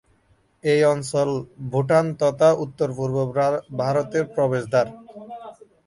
এই অঞ্চল ভুটান তথা উত্তর-পূর্ব ভারতের প্রবেশদ্বার।